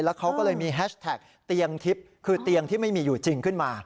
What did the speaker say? เขาก็เลยมีแฮชแท็กเตียงทิพย์คือเตียงที่ไม่มีอยู่จริงขึ้นมา